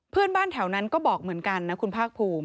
เพื่อนบ้านแถวนั้นก็บอกเหมือนกันนะคุณภาคภูมิ